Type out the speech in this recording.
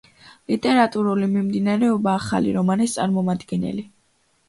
ლიტერატურული მიმდინარეობა ახალი რომანის წარმომადგენელი.